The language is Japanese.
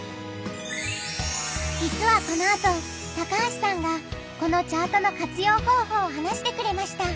じつはこのあと高橋さんがこのチャートの活用方法を話してくれました。